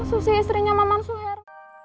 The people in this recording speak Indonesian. susi istrinya maman suher